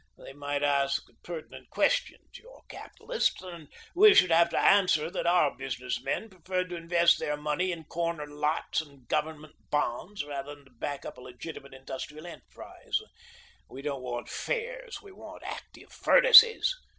They might ask pertinent questions, your capitalists, and we should have to answer that our business men preferred to invest their money in corner lots and government bonds, rather than to back up a legitimate, industrial enterprise. We don't want fairs. We want active furnaces.